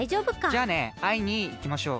じゃあねあいにいきましょう。